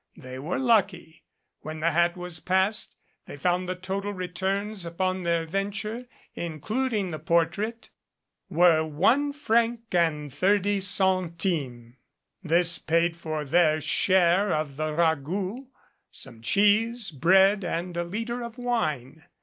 They were lucky. When the hat was passed they found the total returns upon their venture, including the portrait, were one franc and thirty centimes. This paid for their share of the ragout, some cheese, bread and a liter of wine.